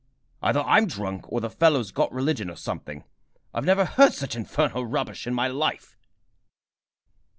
"Either I'm drunk or the fellow's got religion or something! I never heard such infernal rubbish in my life!"